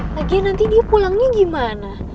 lagi nanti dia pulangnya gimana